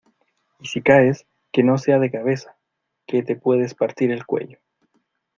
y si caes, que no sea de cabeza , que te puedes partir el cuello.